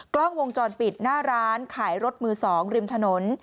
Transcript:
กล้องวงจรปิดหน้าร้านขายรถมือ๒ริมถนน